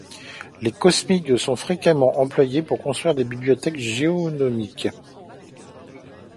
Les cosmides sont fréquemment employés pour construire des bibliothèques génomiques.